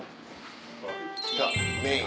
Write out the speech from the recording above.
来たメイン。